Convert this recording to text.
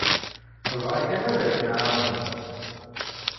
Nebɣa kan ad k-nɛawen.